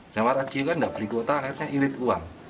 sama radio kan nggak beli kuota akhirnya irit uang